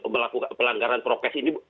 melakukan pelanggaran prokes ini